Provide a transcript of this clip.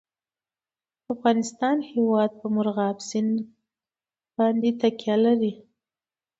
د افغانستان هیواد په مورغاب سیند باندې تکیه لري.